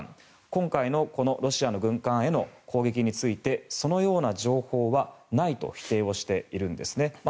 今回のロシアの軍艦への攻撃についてそのような情報はないと否定しているんですね。